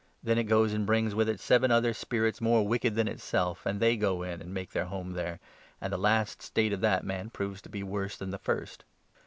Then it goes and brings with it seven 26 other spirits more wicked than itself, and they go in, and make their home there ; and the last state of that man proves to be worse than the first."